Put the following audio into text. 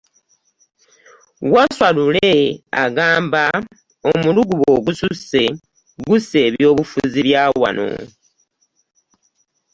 Wasswa Lule agamba omulugube ogususse gusse eby'obufuzi bya wano